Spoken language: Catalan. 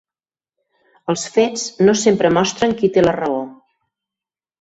Els fets no sempre mostren qui té la raó.